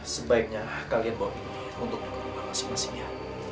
sebaiknya kalian bawa bintik untuk menunggu masa pastinya